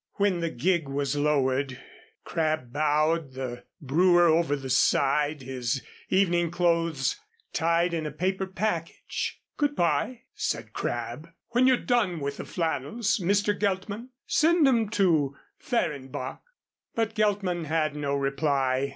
When the gig was lowered, Crabb bowed the brewer over the side, his evening clothes tied in a paper package. "Good by," said Crabb. "When you're done with the flannels, Mr. Geltman, send 'em to Fehrenbach." But Geltman had no reply.